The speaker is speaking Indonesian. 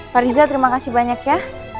pak riza terima kasih banyak ya